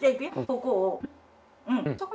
ここを。